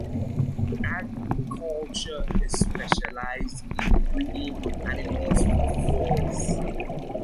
Agriculture is specialized in breeding of animals for furs.